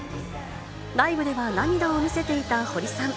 ライブでは、涙を見せていた堀さん。